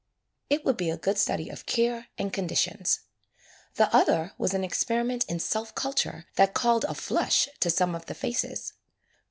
It would be a good study of care and conditions. The other was an experiment in self culture that called a flush to some of the faces.